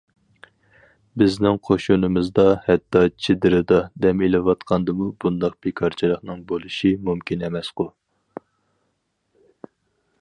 بىزنىڭ قوشۇنىمىزدا ھەتتا چېدىردا دەم ئېلىۋاتقاندىمۇ بۇنداق بىكارچىلىقنىڭ بولۇشى مۇمكىن ئەمەسقۇ.